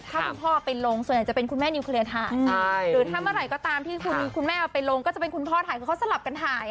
ถ้าคุณพ่อไปลงส่วนใหญ่จะเป็นคุณแม่นิวเคลียร์ถ่ายหรือถ้าเมื่อไหร่ก็ตามที่คุณแม่เอาไปลงก็จะเป็นคุณพ่อถ่ายคือเขาสลับกันถ่าย